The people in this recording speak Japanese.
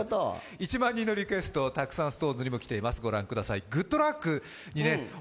１万人のリクエスト、たくさんＳｉｘＴＯＮＥＳにも来ています。